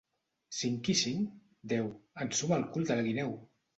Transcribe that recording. Cinc i cinc? / —Deu. / —Ensuma el cul de la guineu!